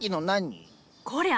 こりゃ！